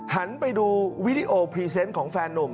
หันไปดูวิดีโอพรีเซนต์ของแฟนนุ่ม